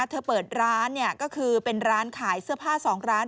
เธอเปิดร้านก็คือเป็นร้านขายเสื้อผ้า๒ร้าน